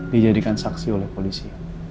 dijadikan saksi oleh polisi